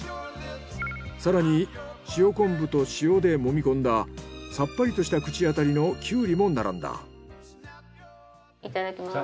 更に塩昆布と塩で揉みこんださっぱりとした口当たりのキュウリも並んだ。